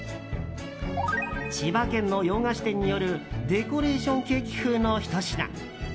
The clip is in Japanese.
千葉県の洋菓子店によるデコレーションケーキ風のひと品。